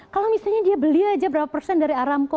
kalau misalnya dia beli aja berapa persen dari aramco